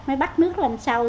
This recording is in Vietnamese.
mới bắt nước lên sâu